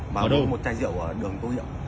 và một chai rượu ở đường tu hiệu